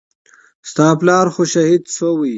ستا پلار خو شهيد سوى.